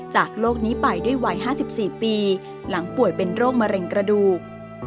จากโรคนี้ไปด้วยวัย๕๔ปีหลังป่วยเป็นโรคมะเร็งกระดูก